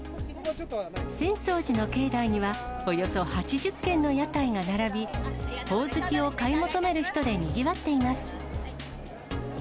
浅草寺の境内には、およそ８０軒の屋台が並び、ほおずきを買い求める人でにぎわっています。